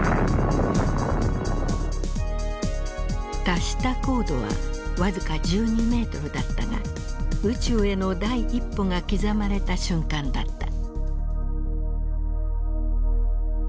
達した高度は僅か１２ｍだったが宇宙への第一歩が刻まれた瞬間だった。